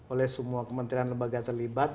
oleh semua kementerian lembaga terlibat